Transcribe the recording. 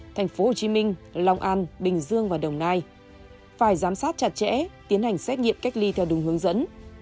tp hcm long an bình dương và đồng nai phải giám sát chặt chẽ tiến hành xét nghiệm cách ly theo đúng hướng dẫn